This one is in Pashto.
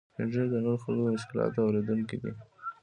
سپین ږیری د نورو خلکو د مشکلاتو اورېدونکي دي